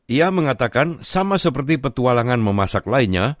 ia mengatakan sama seperti petualangan memasak lainnya